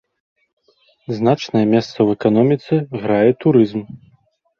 Значнае месца ў эканоміцы грае турызм.